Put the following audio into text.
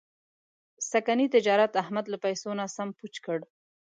سږني تجارت احمد له پیسو نه سم پوچ کړ.